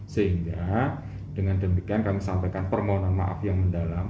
sehingga dengan demikian kami sampaikan permohonan maaf yang mendalam